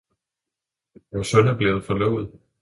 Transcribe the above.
Vor søn er blevet forlovet!